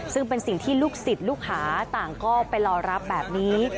ซึ่งเป็นสิ่งที่ลูกศิษย์ลูกหาต่างก็ไปรอรับแบบนี้